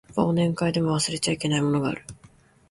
忘年会でも忘れちゃいけないものがある